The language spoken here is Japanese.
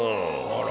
あら。